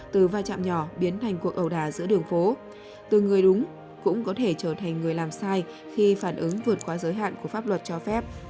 từ vai trạm nhỏ biến thành cuộc ẩu đà giữa đường phố từ người đúng cũng có thể trở thành người làm sai khi phản ứng vượt qua giới hạn của pháp luật cho phép